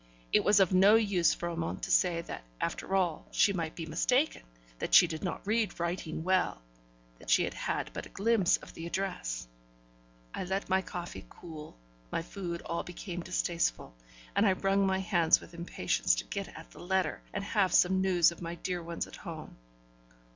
It was of no use for Amante to say that, after all, she might be mistaken that she did not read writing well that she had but a glimpse of the address; I let my coffee cool, my food all became distasteful, and I wrung my hands with impatience to get at the letter, and have some news of my dear ones at home.